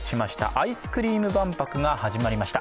アイスクリーム万博が始まりました。